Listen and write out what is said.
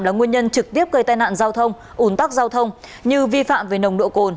là nguyên nhân trực tiếp gây tai nạn giao thông ủn tắc giao thông như vi phạm về nồng độ cồn